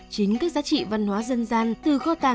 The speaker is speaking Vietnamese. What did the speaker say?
chính các giá trị văn hóa dân gian